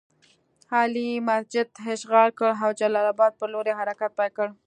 علي مسجد اشغال کړ او جلال اباد پر لور یې حرکت پیل کړ.